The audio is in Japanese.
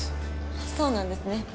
そうなんですね。